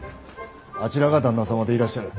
あちらが旦那様でいらっしゃる？